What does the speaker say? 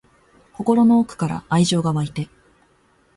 心の奥から愛情が湧いて